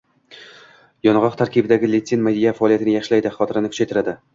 Yong'oq tarkibidagi litsin miya faoliyatini yaxshilaydi, xotirani kuchaytiradi.